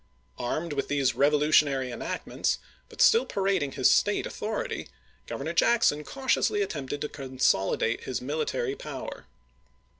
Armed with these revolutionary enactments, but still parading his State authority. Governor Jack son cautiously attempted to consolidate his military power.